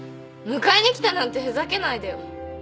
「迎えに来た」なんてふざけないでよ。